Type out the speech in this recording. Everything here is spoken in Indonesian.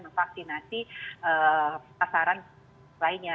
memvaksinasi pasaran lainnya